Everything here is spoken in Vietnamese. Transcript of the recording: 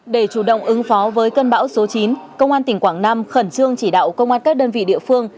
để chủ động ứng phó với cơn bão số chín công an tỉnh quảng nam khẩn trương chỉ đạo công an các đơn vị địa phương